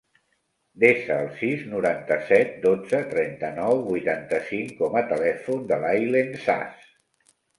Desa el sis, noranta-set, dotze, trenta-nou, vuitanta-cinc com a telèfon de l'Aylen Saz.